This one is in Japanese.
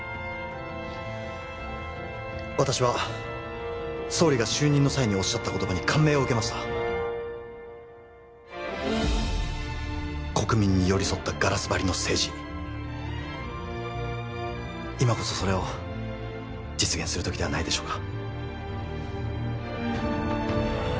私は総理が就任の際におっしゃった言葉に感銘を受けました国民に寄り添ったガラス張りの政治今こそそれを実現する時ではないでしょうか